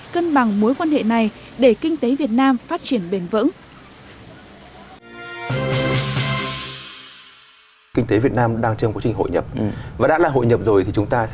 cân bằng mối quan hệ này để kinh tế việt nam phát triển bền vững